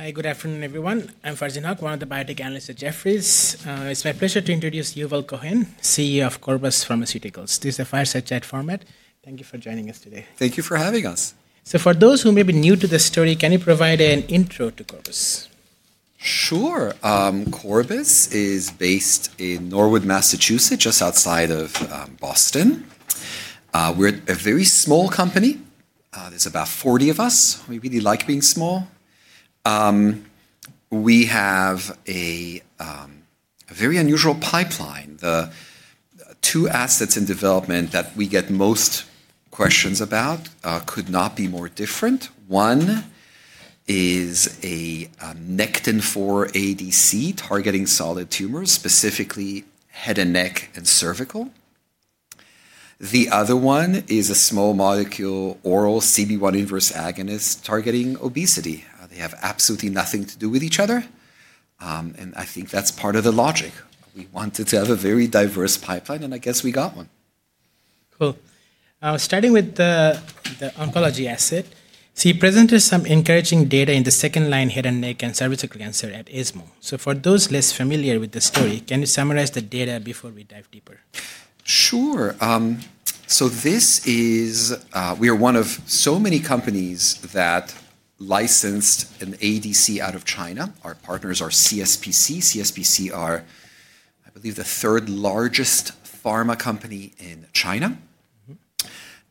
Hi, good afternoon, everyone. I'm Farzin Haque, one of the biotech analysts at Jefferies. It's my pleasure to introduce Yuval Cohen, CEO of Corbus Pharmaceuticals. This is a fireside chat format. Thank you for joining us today. Thank you for having us. For those who may be new to the story, can you provide an intro to Corbus? Sure. Corbus is based in Norwood, Massachusetts, just outside of Boston. We're a very small company. There are about 40 of us. We really like being small. We have a very unusual pipeline. The two assets in development that we get most questions about could not be more different. One is a Nectin-4 ADC targeting solid tumors, specifically head and neck and cervical. The other one is a small molecule oral CB1 inverse agonist targeting obesity. They have absolutely nothing to do with each other. I think that's part of the logic. We wanted to have a very diverse pipeline, and I guess we got one. Cool. Starting with the oncology asset, you presented some encouraging data in the second line head and neck and cervical cancer at ISMO. For those less familiar with the story, can you summarize the data before we dive deeper? Sure. We are one of so many companies that licensed an ADC out of China. Our partners are CSPC. CSPC are, I believe, the third largest pharma company in China.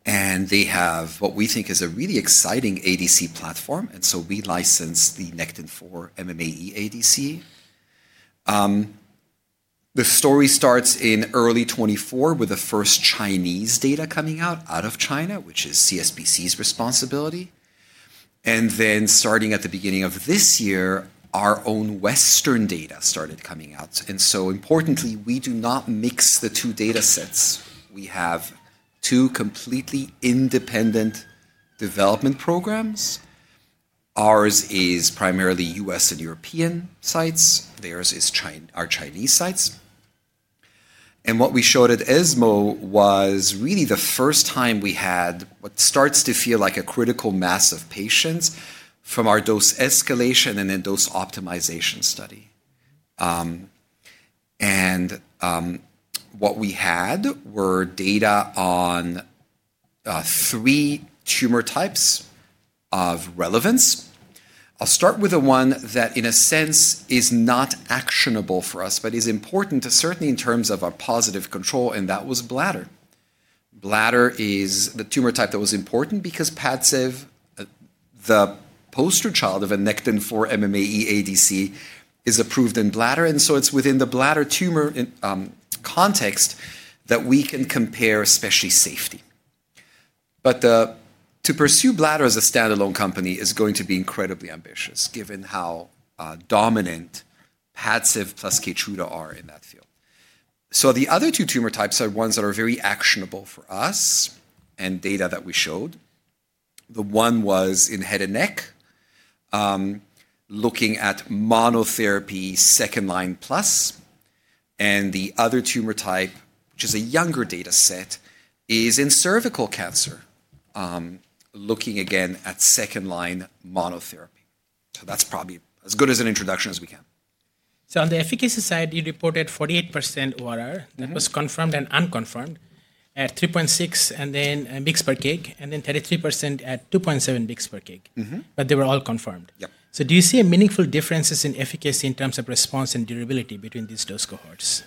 They have what we think is a really exciting ADC platform. We licensed the Nectin-4 MMAE ADC. The story starts in early 2024 with the first Chinese data coming out of China, which is CSPC's responsibility. Starting at the beginning of this year, our own Western data started coming out. Importantly, we do not mix the two data sets. We have two completely independent development programs. Ours is primarily U.S. and European sites. Theirs is our Chinese sites. What we showed at ISMO was really the first time we had what starts to feel like a critical mass of patients from our dose escalation and then dose optimization study. What we had were data on three tumor types of relevance. I'll start with the one that, in a sense, is not actionable for us, but is important certainly in terms of our positive control, and that was bladder. Bladder is the tumor type that was important because Padcev, the poster child of a Nectin-4 MMAE ADC, is approved in bladder. It is within the bladder tumor context that we can compare, especially safety. To pursue bladder as a standalone company is going to be incredibly ambitious, given how dominant Padcev plus Keytruda are in that field. The other two tumor types are ones that are very actionable for us and data that we showed. The one was in head and neck, looking at monotherapy second line plus. The other tumor type, which is a younger data set, is in cervical cancer, looking again at second line monotherapy. That is probably as good as an introduction as we can. On the efficacy side, you reported 48% ORR that was confirmed and unconfirmed at 3.6 mg per kg, and then 33% at 2.7 mg per kg. But they were all confirmed. Yep. Do you see meaningful differences in efficacy in terms of response and durability between these dose cohorts?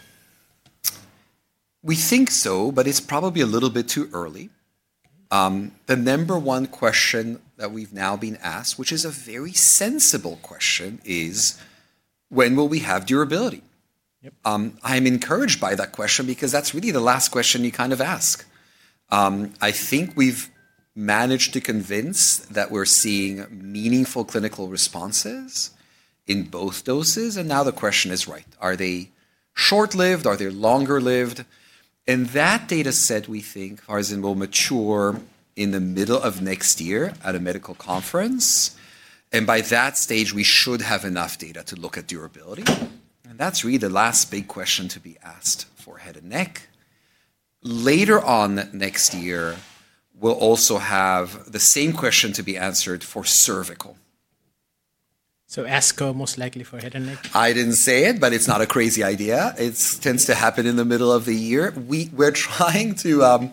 We think so, but it's probably a little bit too early. The number one question that we've now been asked, which is a very sensible question, is, when will we have durability? I'm encouraged by that question because that's really the last question you kind of ask. I think we've managed to convince that we're seeing meaningful clinical responses in both doses. Now the question is, right, are they short-lived? Are they longer-lived? That data set, we think, Farzin, will mature in the middle of next year at a medical conference. By that stage, we should have enough data to look at durability. That's really the last big question to be asked for head and neck. Later on next year, we'll also have the same question to be answered for cervical. ASCO most likely for head and neck? I didn't say it, but it's not a crazy idea. It tends to happen in the middle of the year. We're trying to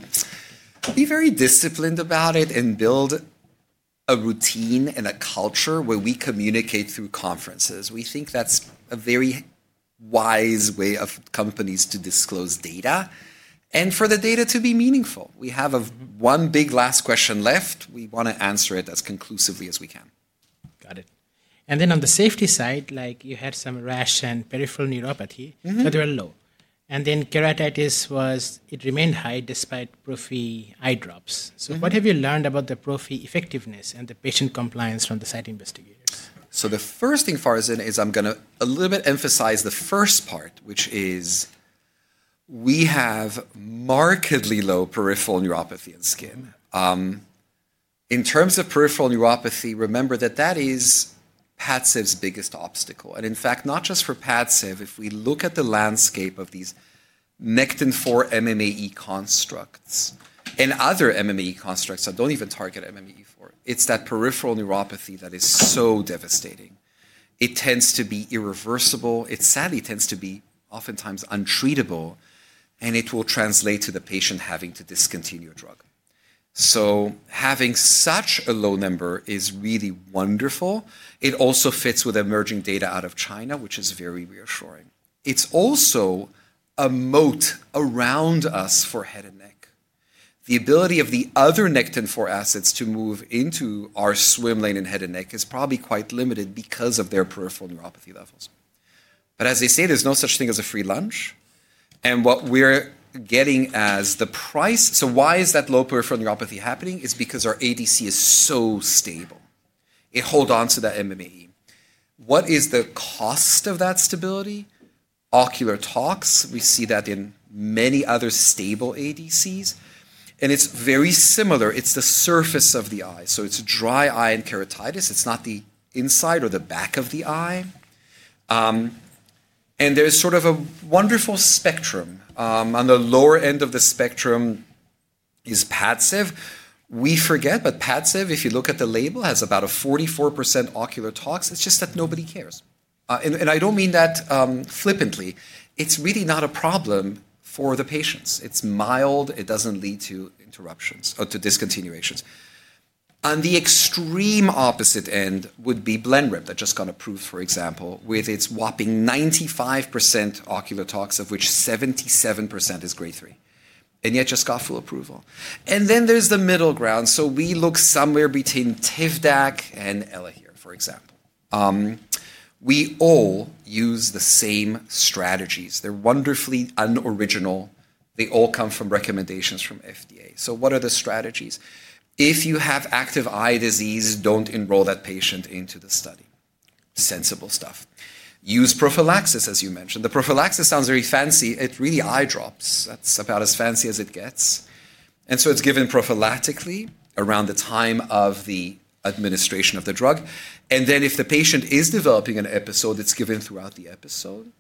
be very disciplined about it and build a routine and a culture where we communicate through conferences. We think that's a very wise way of companies to disclose data and for the data to be meaningful. We have one big last question left. We want to answer it as conclusively as we can. Got it. And then on the safety side, like you had some rash and peripheral neuropathy, but they were low. And then keratitis was it remained high despite Prophy eye drops. So what have you learned about the Prophy effectiveness and the patient compliance from the site investigators? The first thing, Farzin, is I'm going to a little bit emphasize the first part, which is we have markedly low peripheral neuropathy in skin. In terms of peripheral neuropathy, remember that that is Padcev's biggest obstacle. In fact, not just for Padcev, if we look at the landscape of these Nectin-4 MMAE constructs and other MMAE constructs that do not even target Nectin-4, it's that peripheral neuropathy that is so devastating. It tends to be irreversible. It sadly tends to be oftentimes untreatable, and it will translate to the patient having to discontinue a drug. Having such a low number is really wonderful. It also fits with emerging data out of China, which is very reassuring. It is also a moat around us for head and neck. The ability of the other Nectin-4 assets to move into our swim lane in head and neck is probably quite limited because of their peripheral neuropathy levels. As they say, there's no such thing as a free lunch. What we're getting as the price, so why is that low peripheral neuropathy happening? It's because our ADC is so stable. It holds on to that MMAE. What is the cost of that stability? Ocular tox. We see that in many other stable ADCs. It's very similar. It's the surface of the eye, so it's dry eye and keratitis. It's not the inside or the back of the eye. There's sort of a wonderful spectrum. On the lower end of the spectrum is Padcev. We forget, but Padcev, if you look at the label, has about a 44% ocular tox. It's just that nobody cares. I do not mean that flippantly. It is really not a problem for the patients. It is mild. It does not lead to interruptions or to discontinuations. On the extreme opposite end would be Blenrep, that just got approved, for example, with its whopping 95% ocular tox, of which 77% is grade 3. Yet just got full approval. There is the middle ground. We look somewhere between Tivdak and Elahere, for example. We all use the same strategies. They are wonderfully unoriginal. They all come from recommendations from FDA. What are the strategies? If you have active eye disease, do not enroll that patient into the study. Sensible stuff. Use prophylaxis, as you mentioned. The prophylaxis sounds very fancy. It is really eye drops. That is about as fancy as it gets. It is given prophylactically around the time of the administration of the drug. If the patient is developing an episode, it is given throughout the episode.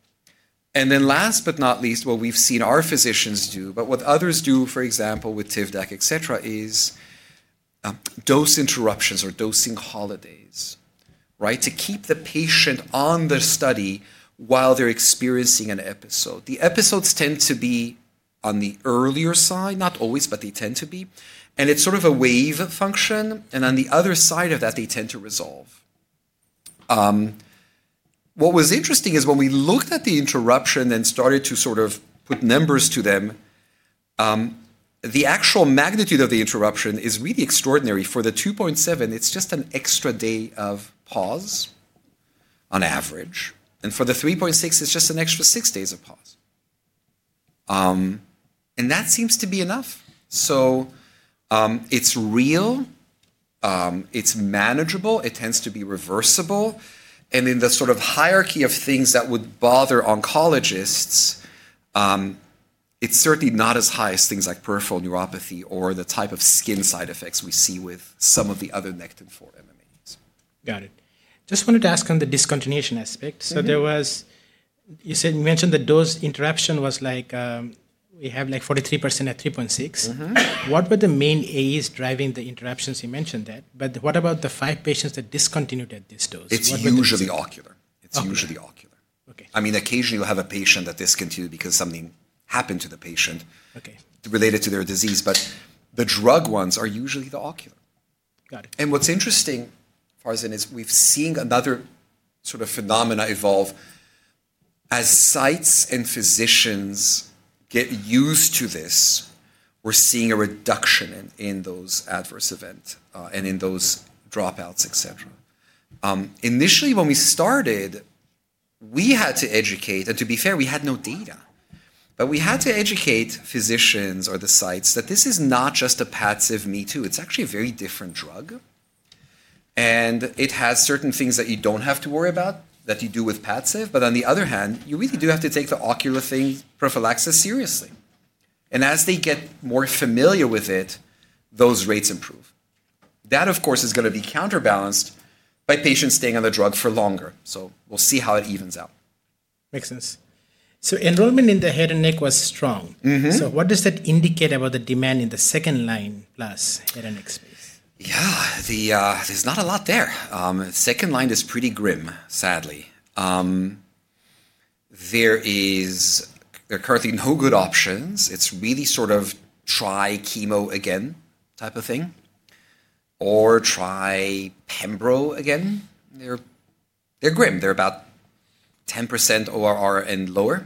Last but not least, what we have seen our physicians do, but what others do, for example, with Tivdak, et cetera, is dose interruptions or dosing holidays, right, to keep the patient on the study while they are experiencing an episode. The episodes tend to be on the earlier side, not always, but they tend to be. It is sort of a wave function. On the other side of that, they tend to resolve. What was interesting is when we looked at the interruption and started to sort of put numbers to them, the actual magnitude of the interruption is really extraordinary. For the 2.7, it is just an extra day of pause on average. For the 3.6, it is just an extra six days of pause. That seems to be enough. It is real. It's manageable. It tends to be reversible. In the sort of hierarchy of things that would bother oncologists, it's certainly not as high as things like peripheral neuropathy or the type of skin side effects we see with some of the other Nectin-4 MMAEs. Got it. Just wanted to ask on the discontinuation aspect. There was, you mentioned the dose interruption was like we have like 43% at 3.6. What were the main AEs driving the interruptions? You mentioned that. What about the five patients that discontinued at this dose? It's usually ocular. I mean, occasionally you'll have a patient that discontinued because something happened to the patient related to their disease. But the drug ones are usually the ocular. Got it. What's interesting, Farzin, is we've seen another sort of phenomena evolve. As sites and physicians get used to this, we're seeing a reduction in those adverse events and in those dropouts, et cetera. Initially, when we started, we had to educate. To be fair, we had no data. We had to educate physicians or the sites that this is not just a Padcev me too. It's actually a very different drug. It has certain things that you don't have to worry about that you do with Padcev. On the other hand, you really do have to take the ocular thing prophylaxis seriously. As they get more familiar with it, those rates improve. That, of course, is going to be counterbalanced by patients staying on the drug for longer. We'll see how it evens out. Makes sense. Enrollment in the head and neck was strong. What does that indicate about the demand in the second line plus head and neck space? Yeah, there's not a lot there. Second line is pretty grim, sadly. There are currently no good options. It's really sort of try chemo again type of thing or try pembro again. They're grim. They're about 10% ORR and lower.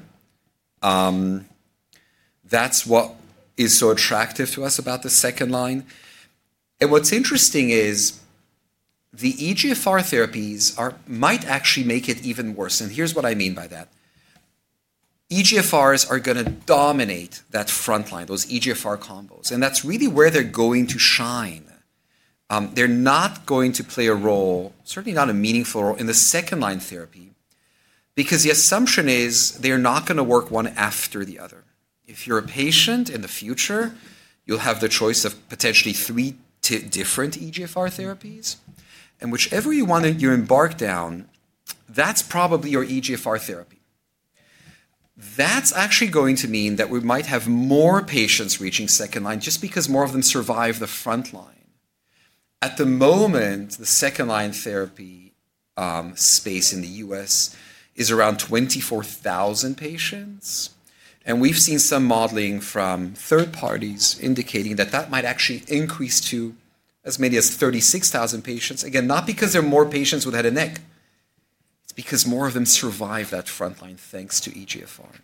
That's what is so attractive to us about the second line. What's interesting is the EGFR therapies might actually make it even worse. Here's what I mean by that. EGFRs are going to dominate that front line, those EGFR combos. That's really where they're going to shine. They're not going to play a role, certainly not a meaningful role in the second line therapy because the assumption is they're not going to work one after the other. If you're a patient in the future, you'll have the choice of potentially three different EGFR therapies. Whichever you want to embark down, that's probably your EGFR therapy. That's actually going to mean that we might have more patients reaching second line just because more of them survive the front line. At the moment, the second line therapy space in the US is around 24,000 patients. We've seen some modeling from third parties indicating that that might actually increase to as many as 36,000 patients. Again, not because there are more patients with head and neck. It's because more of them survive that front line thanks to EGFR.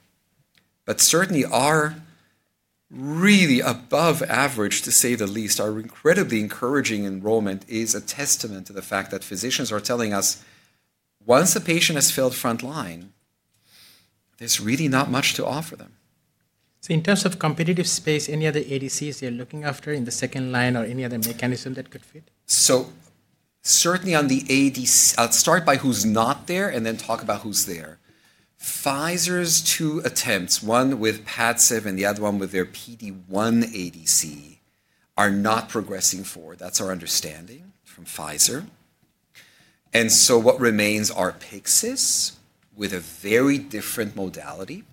Certainly, our really above average, to say the least, our incredibly encouraging enrollment is a testament to the fact that physicians are telling us once a patient has failed front line, there's really not much to offer them. In terms of competitive space, any other ADCs they're looking after in the second line or any other mechanism that could fit? Certainly on the ADC, I'll start by who's not there and then talk about who's there. Pfizer's two attempts, one with Padcev and the other one with their PD-1 ADC, are not progressing forward. That's our understanding from Pfizer. What remains are Pyxis with a very different modality.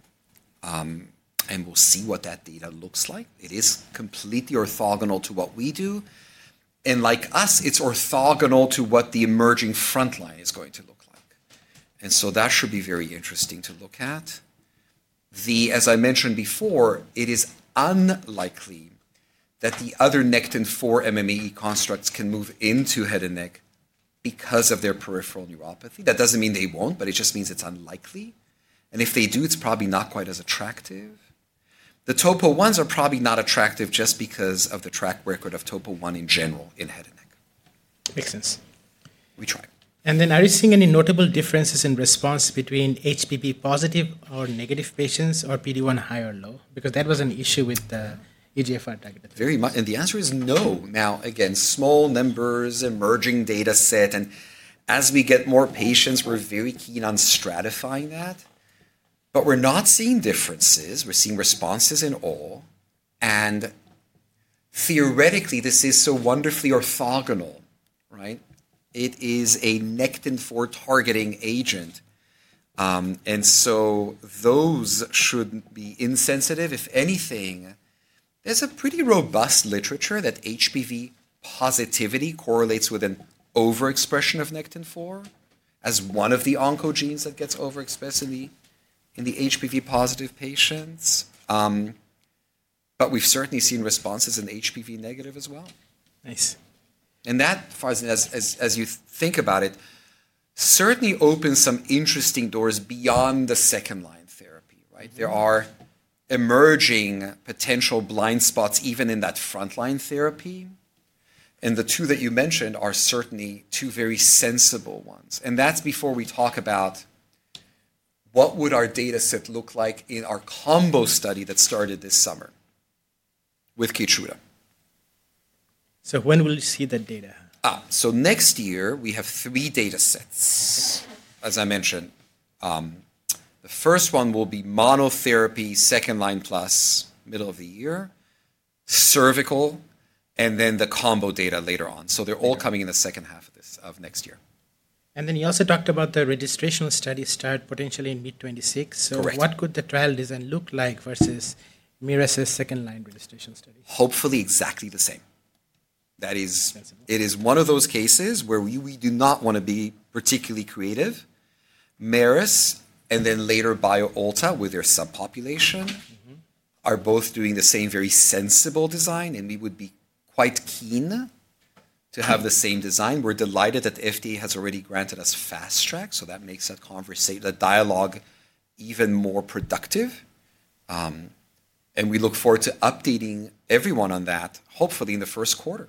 We'll see what that data looks like. It is completely orthogonal to what we do. Like us, it's orthogonal to what the emerging front line is going to look like. That should be very interesting to look at. As I mentioned before, it is unlikely that the other Nectin-4 MMAE constructs can move into head and neck because of their peripheral neuropathy. That doesn't mean they won't, but it just means it's unlikely. If they do, it's probably not quite as attractive. The Topo 1s are probably not attractive just because of the track record of Topo 1 in general in head and neck. Makes sense. We try. Are you seeing any notable differences in response between HPV positive or negative patients or PD-1 high or low? Because that was an issue with the EGFR targeted therapy. Very much. The answer is no. Now, again, small numbers, emerging data set. As we get more patients, we're very keen on stratifying that. We're not seeing differences. We're seeing responses in all. Theoretically, this is so wonderfully orthogonal, right? It is a Nectin-4 targeting agent. Those should be insensitive. If anything, there's a pretty robust literature that HPV positivity correlates with an overexpression of Nectin-4 as one of the oncogenes that gets overexpressed in the HPV positive patients. We've certainly seen responses in HPV negative as well. Nice. Farzin, as you think about it, certainly opens some interesting doors beyond the second line therapy, right? There are emerging potential blind spots even in that front line therapy. The two that you mentioned are certainly two very sensible ones. That is before we talk about what would our data set look like in our combo study that started this summer with Keytruda. When will you see that data? Next year, we have three data sets, as I mentioned. The first one will be monotherapy, second line plus middle of the year, cervical, and then the combo data later on. They are all coming in the second half of next year. You also talked about the registration study start potentially in mid-2026. What could the trial design look like versus Mersana's second line registration study? Hopefully exactly the same. That is, it is one of those cases where we do not want to be particularly creative. Mersana and then later BioAtla with their subpopulation are both doing the same very sensible design. We would be quite keen to have the same design. We're delighted that FDA has already granted us fast track. That makes that conversation, that dialogue even more productive. We look forward to updating everyone on that, hopefully in the first quarter.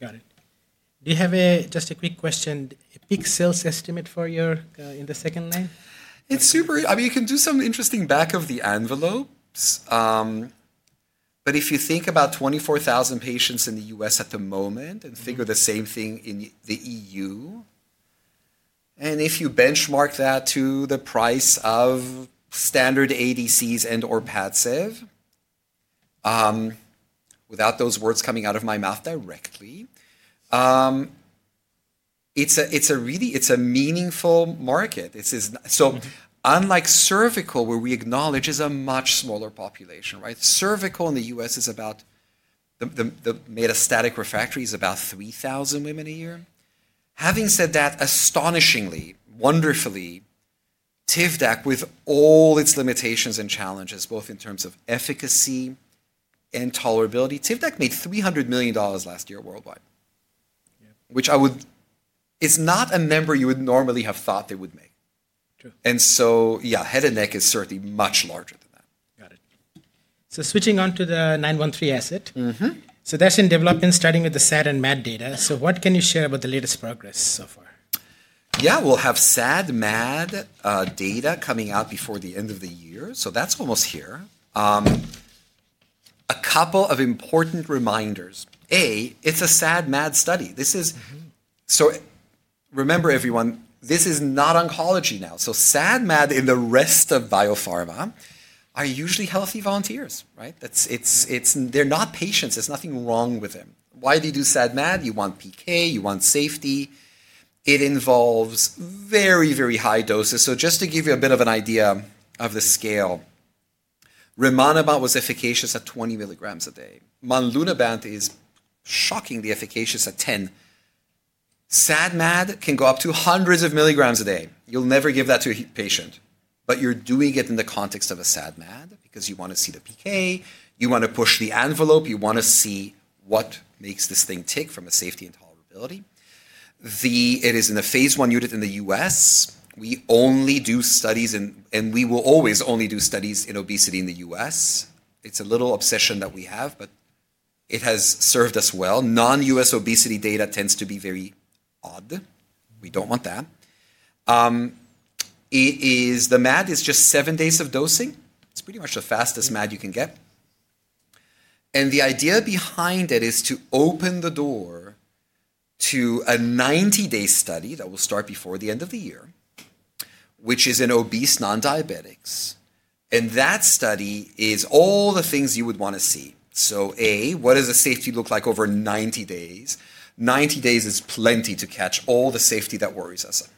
Got it. We have just a quick question. A big sales estimate for you in the second line? It's super. I mean, you can do some interesting back of the envelopes. But if you think about 24,000 patients in the US at the moment and figure the same thing in the EU, and if you benchmark that to the price of standard ADCs and/or Padcev, without those words coming out of my mouth directly, it's a meaningful market. Unlike cervical, where we acknowledge is a much smaller population, right? Cervical in the US is about the metastatic refractory is about 3,000 women a year. Having said that, astonishingly, wonderfully, Tivdak, with all its limitations and challenges, both in terms of efficacy and tolerability, Tivdak made $300 million last year worldwide, which I would it's not a number you would normally have thought they would make. Yeah, head and neck is certainly much larger than that. Got it. Switching on to the 913 asset. That's in development, starting with the SAD and MAD data. What can you share about the latest progress so far? Yeah, we'll have SAD, MAD data coming out before the end of the year. That's almost here. A couple of important reminders. A, it's a SAD, MAD study. Remember, everyone, this is not oncology now. SAD, MAD and the rest of BioPharma are usually healthy volunteers, right? They're not patients. There's nothing wrong with them. Why do you do SAD, MAD? You want PK, you want safety. It involves very, very high doses. Just to give you a bit of an idea of the scale, Rimonabant was efficacious at 20 milligrams a day. Malonabant is shockingly efficacious at 10. SAD, MAD can go up to hundreds of milligrams a day. You'll never give that to a patient. You're doing it in the context of a SAD, MAD because you want to see the PK. You want to push the envelope. You want to see what makes this thing tick from a safety and tolerability. It is in the phase 1 unit in the U.S. We only do studies, and we will always only do studies in obesity in the U.S. It's a little obsession that we have, but it has served us well. Non-US obesity data tends to be very odd. We don't want that. The MAD is just seven days of dosing. It's pretty much the fastest MAD you can get. The idea behind it is to open the door to a 90-day study that will start before the end of the year, which is in obese non-diabetics. That study is all the things you would want to see. A, what does the safety look like over 90 days? Ninety days is plenty to catch all the safety that worries us.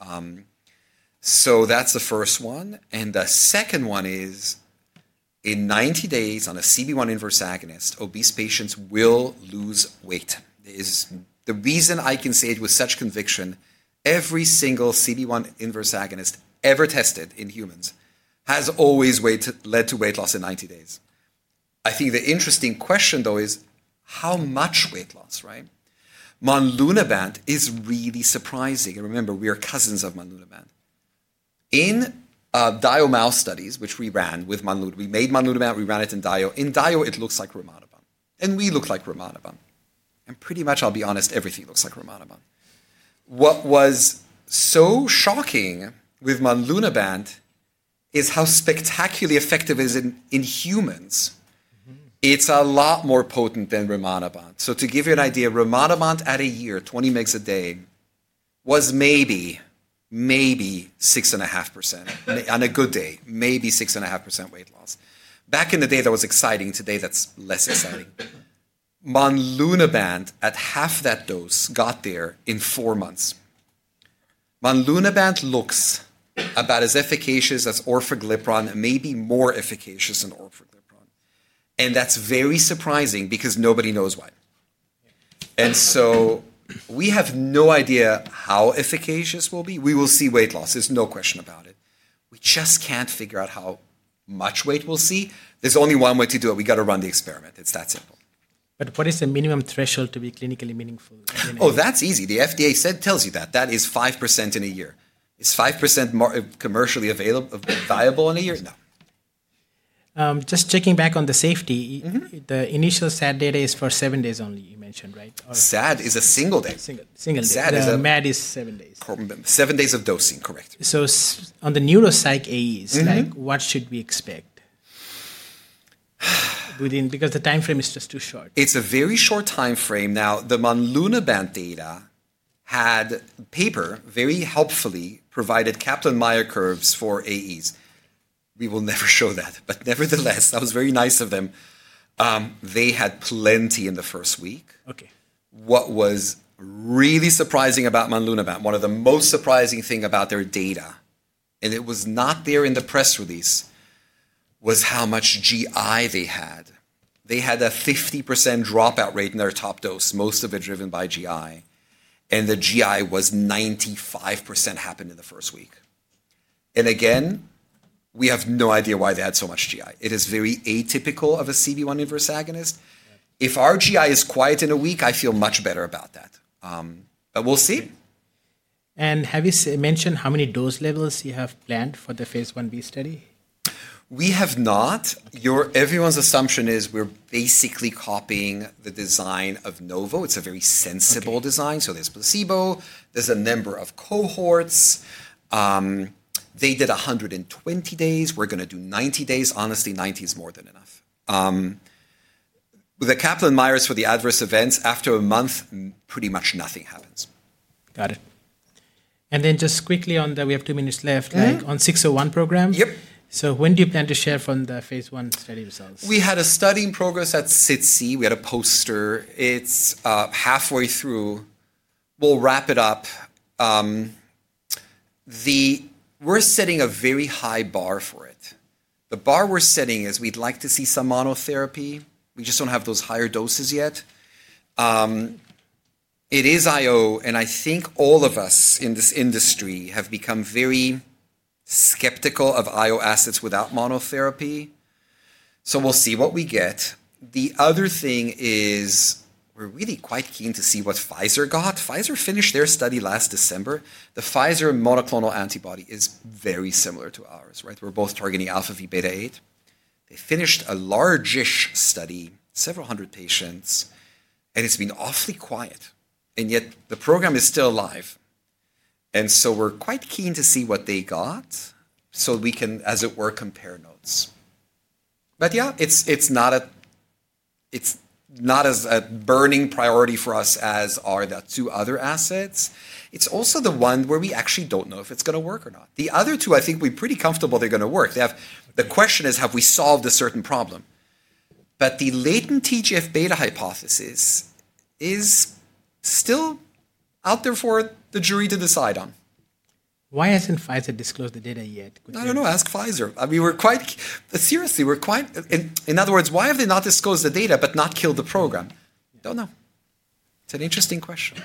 That's the first one. The second one is in 90 days on a CB1 inverse agonist, obese patients will lose weight. The reason I can say it with such conviction, every single CB1 inverse agonist ever tested in humans has always led to weight loss in 90 days. I think the interesting question, though, is how much weight loss, right? Rimonabant is really surprising. And remember, we are cousins of Rimonabant. In DIO mouse studies, which we ran with Rimonabant, we made Rimonabant, we ran it in DIO. In DIO, it looks like Rimonabant. And we look like Rimonabant. And pretty much, I'll be honest, everything looks like Rimonabant. What was so shocking with Rimonabant is how spectacularly effective it is in humans. It's a lot more potent than Rimonabant. To give you an idea, Rimonabant at a year, 20 mg a day, was maybe, maybe 6.5% on a good day, maybe 6.5% weight loss. Back in the day, that was exciting. Today, that's less exciting. Rimonabant at half that dose got there in four months. Rimonabant looks about as efficacious as Orforglipron, maybe more efficacious than Orforglipron. That's very surprising because nobody knows why. We have no idea how efficacious we'll be. We will see weight loss. There's no question about it. We just can't figure out how much weight we'll see. There's only one way to do it. We got to run the experiment. It's that simple. What is the minimum threshold to be clinically meaningful? Oh, that's easy. The FDA tells you that. That is 5% in a year. Is 5% commercially viable in a year? No. Just checking back on the safety, the initial SAD data is for seven days only, you mentioned, right? SAD is a single day. Single day. MAD is seven days. Seven days of dosing, correct. On the neuropsych AEs, what should we expect? Because the time frame is just too short. It's a very short time frame. Now, the Rimonabant data had paper very helpfully provided Kaplan-Meier curves for AEs. We will never show that. Nevertheless, that was very nice of them. They had plenty in the first week. What was really surprising about Rimonabant, one of the most surprising things about their data, and it was not there in the press release, was how much GI they had. They had a 50% dropout rate in their top dose, most of it driven by GI. The GI was 95% happened in the first week. Again, we have no idea why they had so much GI. It is very atypical of a CB1 inverse agonist. If our GI is quiet in a week, I feel much better about that. We'll see. Have you mentioned how many dose levels you have planned for the phase 1 B study? We have not. Everyone's assumption is we're basically copying the design of Novo. It's a very sensible design. So there's placebo. There's a number of cohorts. They did 120 days. We're going to do 90 days. Honestly, 90 is more than enough. With the Kaplan-Meier's for the adverse events, after a month, pretty much nothing happens. Got it. And then just quickly on that, we have two minutes left, on 601 program. Yep. When do you plan to share from the phase 1 study results? We had a study in progress at SIDC. We had a poster. It's halfway through. We'll wrap it up. We're setting a very high bar for it. The bar we're setting is we'd like to see some monotherapy. We just don't have those higher doses yet. It is IO, and I think all of us in this industry have become very skeptical of IO assets without monotherapy. We'll see what we get. The other thing is we're really quite keen to see what Pfizer got. Pfizer finished their study last December. The Pfizer monoclonal antibody is very similar to ours, right? We're both targeting alpha v beta 8. They finished a largish study, several hundred patients, and it's been awfully quiet. Yet the program is still live. We're quite keen to see what they got so we can, as it were, compare notes. Yeah, it's not as a burning priority for us as are the two other assets. It's also the one where we actually don't know if it's going to work or not. The other two, I think we're pretty comfortable they're going to work. The question is, have we solved a certain problem? The latent TGF beta hypothesis is still out there for the jury to decide on. Why hasn't Pfizer disclosed the data yet? I don't know. Ask Pfizer. I mean, quite seriously, we're quite, in other words, why have they not disclosed the data but not killed the program? Don't know. It's an interesting question.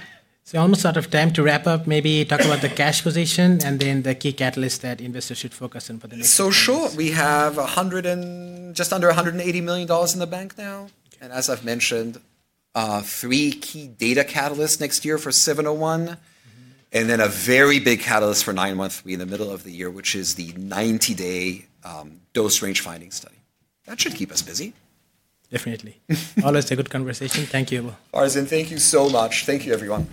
Almost out of time to wrap up, maybe talk about the cash position and then the key catalyst that investors should focus on for the next year. We have just under $180 million in the bank now. As I have mentioned, three key data catalysts next year for 701, and then a very big catalyst for 913 in the middle of the year, which is the 90-day dose range finding study. That should keep us busy. Definitely. Always a good conversation. Thank you all. Farzin, thank you so much. Thank you, everyone.